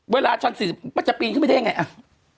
เวลาชันสืบมันจะปีนขึ้นไปได้ยังไงอ่ะ